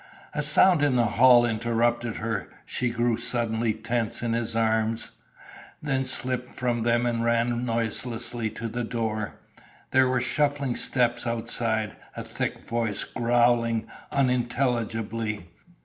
A sound in the hall interrupted her. She grew suddenly tense in his arms, then slipped from them and ran noiselessly to the door. There were shuffling steps outside, a thick voice growling unintelligibly.